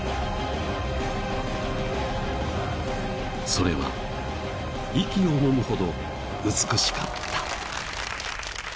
［それは息をのむほど美しかった］